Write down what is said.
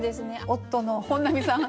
夫の本並さん